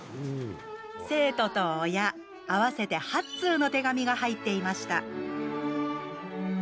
生徒と親、合わせて８通の手紙が入っていました。